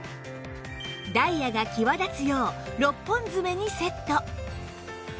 ダイヤが際立つよう６本爪にセット